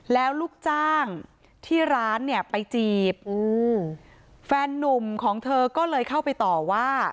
แล้วลูกจ้างที่ร้านเนี่ยไปจีบแฟนนุ่มของเธอก็เลยเข้าไปต่อว่า